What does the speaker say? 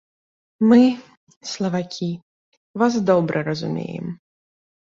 Мы, славакі, вас добра разумеем.